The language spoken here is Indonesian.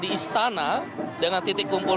di istana dengan titik kumpul